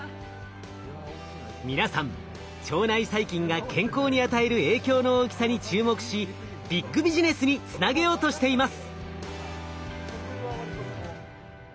皆さん腸内細菌が健康に与える影響の大きさに注目しビッグビジネスにつなげようとしています。